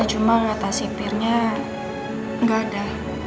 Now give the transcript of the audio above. cuma rata sipirnya nggak ada